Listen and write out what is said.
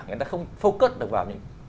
người ta không focus được vào những